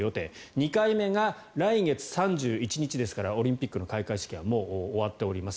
２回目が来月３１日ですからオリンピックの開会式はもう終わっております。